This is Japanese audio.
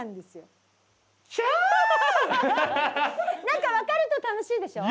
なんか分かると楽しいでしょ？